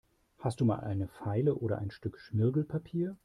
Hast du mal eine Feile oder ein Stück Schmirgelpapier?